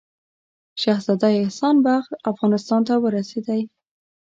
شهزاده احسان بخت افغانستان ته ورسېدی.